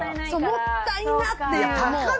そうもったいなっていう。